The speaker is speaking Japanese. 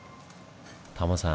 タモさん